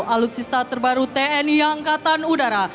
alutsista terbaru tni angkatan udara